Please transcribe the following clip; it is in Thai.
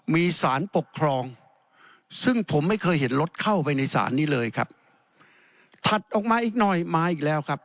มีสารปกครองซึ่งผมไม่เคยเห็นรถเข้าไปในศาลนี้เลยครับถัดออกมาอีกหน่อยมาอีกแล้วครับ